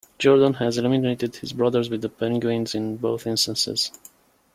Jordan has eliminated his brothers with the Penguins in both instances.